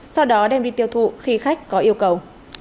sau đó đem đi tiêu thụ khi khách có yêu cầu